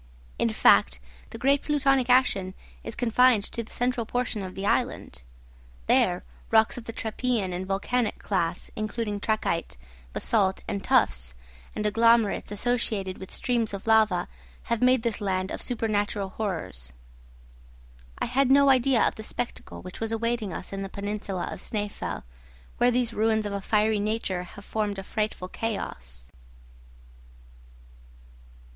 In fact, the great plutonic action is confined to the central portion of the island; there, rocks of the trappean and volcanic class, including trachyte, basalt, and tuffs and agglomerates associated with streams of lava, have made this a land of supernatural horrors. I had no idea of the spectacle which was awaiting us in the peninsula of Snæfell, where these ruins of a fiery nature have formed a frightful chaos.